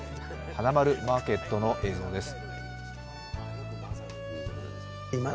「はなまるマーケット」の映像です。